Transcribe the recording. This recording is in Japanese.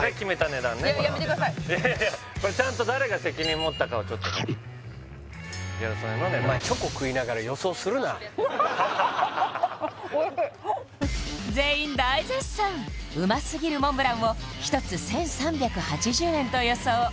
やめてくださいいやいやちゃんと誰が責任もったかをちょっとお前おいしい全員大絶賛うますぎるモンブランを１つ１３８０円と予想